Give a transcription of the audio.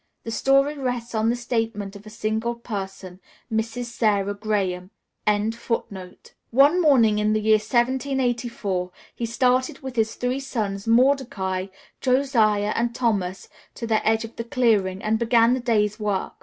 The story rests on the statement of a single person, Mrs. Sarah Graham.] One morning in the year 1784, he started with his three sons, Mordecai, Josiah, and Thomas, to the edge of the clearing, and began the day's work.